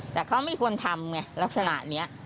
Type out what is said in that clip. แต่เขาไม่ควรทำเนี่ยลักษณะเนี๊ยะ